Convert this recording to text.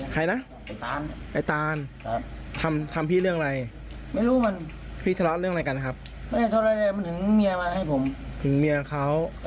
ใครนะไอ้ตานทำพี่เรื่องอะไรพี่ทะเลาะเรื่องอะไรกันครับถึงเมียเขา